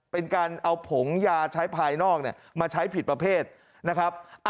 เป็นการเอาผงยาใช้ภายนอกมาใช้ผิดประเภทนะครับ